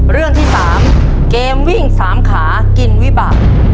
เรื่องที่๓เกมวิ่ง๓ขากินวิบาก